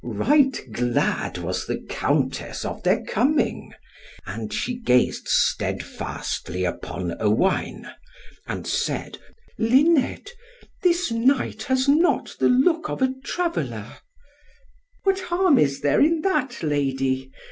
Right glad was the Countess of their coming. And she gazed steadfastly upon Owain, and said, "Luned, this knight has not the look of a traveller." "What harm is there in that, Lady?"